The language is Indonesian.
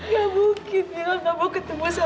gak mungkin mira gak mau ketemu sama mama